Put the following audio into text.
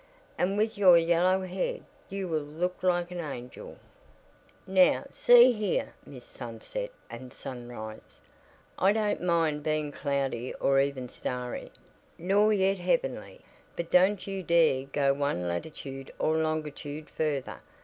"And with your yellow head you will look like an angel." "Now, see here, Miss Sunset and Sunrise, I don't mind being cloudy or even starry, nor yet heavenly, but don't you dare go one latitude or longitude further.